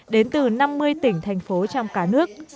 đến từ năm mươi tỉnh thành phố trong cả nước